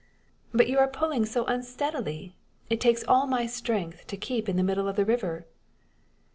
"But you are pulling so unsteadily! It takes all my strength to keep in the middle of the river."